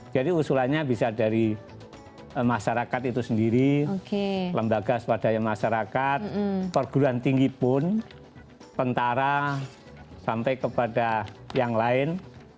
jadi usulannya bisa dari masyarakat itu sendiri lembaga swadaya masyarakat perguruan tinggi pun pentara sampai kepada yang lain